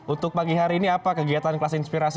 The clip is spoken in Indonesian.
untuk pagi hari ini apa kegiatan kelas inspirasi